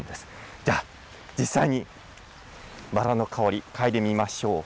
じゃあ、実際にバラの香り、嗅いでみましょう。